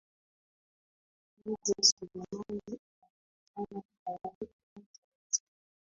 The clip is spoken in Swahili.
urdin suleman inakuja na taarifa zaidi